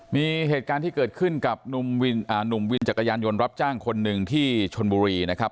มีเหตุการณ์ที่เกิดขึ้นกับหนุ่มวินจักรยานยนต์รับจ้างคนหนึ่งที่ชนบุรีนะครับ